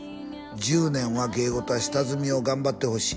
「１０年は芸事は下積みを頑張ってほしい」